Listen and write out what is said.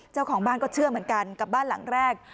เจ้าของบ้านก็เชื่อเหมือนกันกับบ้านหลังแรก